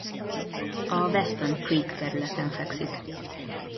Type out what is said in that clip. A Weston Creek területen fekszik.